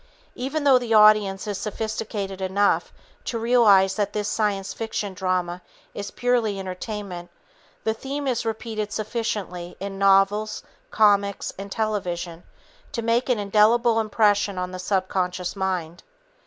Even though the audience is sophisticated enough to realize that this science fiction drama is purely entertainment, the theme is repeated sufficiently in novels, comics, and television to make an indelible impression on the subconscious mind.